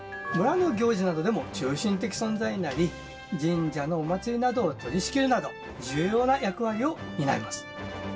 村の行事などでも中心的存在になり神社のお祭りなどを取りしきるなど重要な役割を担います。